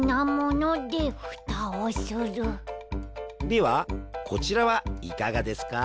ではこちらはいかがですか？